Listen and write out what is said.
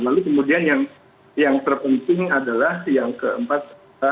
lalu kemudian yang terpenting adalah yang keempat